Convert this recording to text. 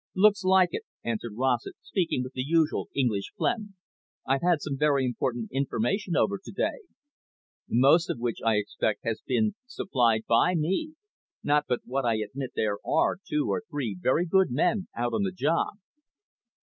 "Looks like it," answered Rossett, speaking with the usual English phlegm. "I've had some very important information over to day." "Most of which, I expect, has been supplied by me, not but what I admit there are two or three very good men out on the job."